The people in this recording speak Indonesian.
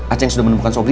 aceh sudah menemukan sobri